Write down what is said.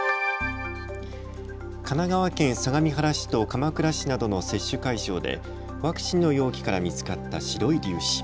神奈川県相模原市と鎌倉市などの接種会場でワクチンの容器から見つかった白い粒子。